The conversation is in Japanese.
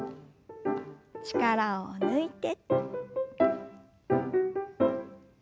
力を抜いて。